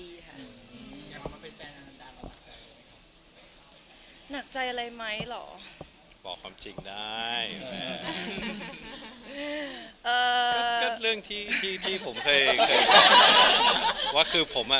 ดีค่ะหนักใจอะไรไหมหรอบอกความจริงได้เรื่องที่ผมเคยว่าคือผม